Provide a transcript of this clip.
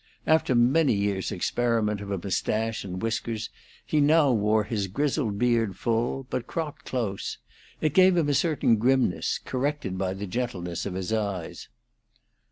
After many years' experiment of a mustache and whiskers, he now wore his grizzled beard full, but cropped close; it gave him a certain grimness, corrected by the gentleness of his eyes.